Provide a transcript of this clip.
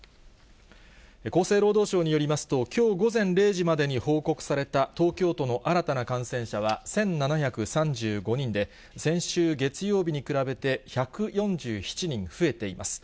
厚生労働省によりますと、きょう午前０時までに報告された東京都の新たな感染者は１７３５人で、先週月曜日に比べて１４７人増えています。